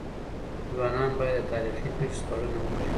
ځوانان بايد د تاريخي پېښو سپړنه وکړي.